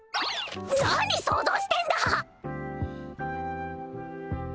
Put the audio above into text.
何想像してんだ！